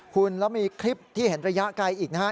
คุณแล้วมีคลิปที่เห็นระยะไกลอีกนะฮะ